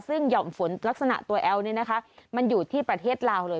ซึ่งหย่อมฝนลักษณะตัวแอวเนี่ยนะคะมันอยู่ที่ประเทศลาวเลย